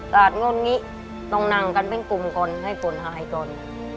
ง่นงี้ต้องนั่งกันเป็นกลุ่มก่อนให้ฝนหายก่อน